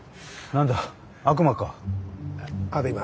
何だ悪魔か。